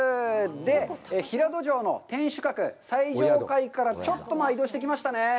で、平戸城の天守閣最上階からちょっと移動してきました。